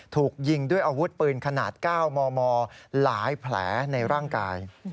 ถูกยิงด้วยอาวุธปืนขนาด๙มมหลายแผลในร่างกาย